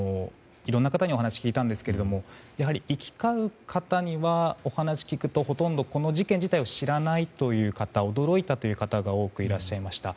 いろんな方にお話を聞いたんですがやはり、行き交う方にはお話を聞くとほとんどこの事件自体を知らないという方驚いたという方が多くいらっしゃいました。